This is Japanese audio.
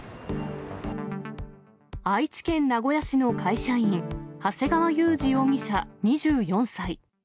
愛知県名古屋市の会社員、長谷川裕司容疑者２４歳。